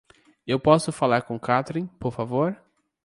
Eu posso falar com Catrin, por favor?